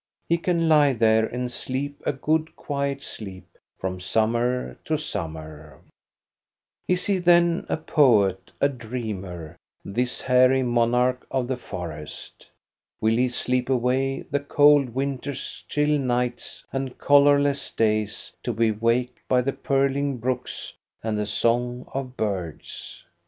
He can lie there and sleep a good quiet sleep from summer to summer. Is he, then, a poet, a dreamer, this hairy monarch THE GREAT BEAR IN GURLITTA CUFF 125 of the forest? Will he sleep away the cold winter's chill nights and colorless days to be waked by purling brooks and the song of birds